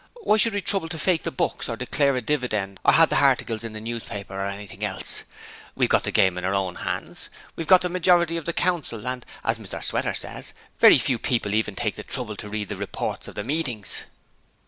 Why should we trouble to fake the books, or declare a dividend or 'ave the harticles in the papers or anything else? We've got the game in our own 'ands; we've got a majority in the Council, and, as Mr Sweater ses, very few people even take the trouble to read the reports of the meetings.'